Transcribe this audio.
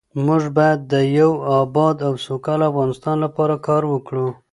موږ باید د یو اباد او سوکاله افغانستان لپاره کار وکړو.